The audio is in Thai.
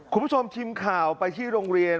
คุณผู้ชมทีมข่าวไปที่โรงเรียน